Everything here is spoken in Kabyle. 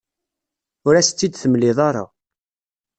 Ur as-tt-id-temliḍ ara.